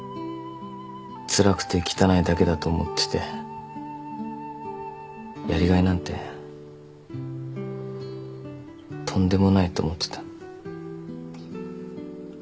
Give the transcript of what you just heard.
つらくて汚いだけだと思っててやりがいなんてとんでもないと思ってた。